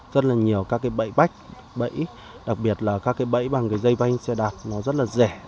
rất là nhiều các bẫy bách bẫy đặc biệt là các bẫy bằng dây vanh xe đạp rất là rẻ